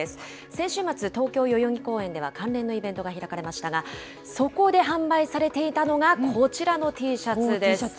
先週末、東京・代々木公園では、関連のイベントが開かれましたが、そこで販売されていたのが、こちらのＴシャツです。